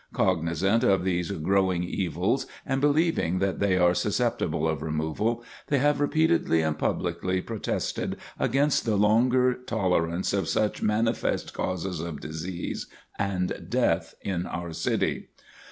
Cognizant of these growing evils, and believing that they are susceptible of removal, they have repeatedly and publicly protested against the longer tolerance of such manifest causes of disease and death in our city.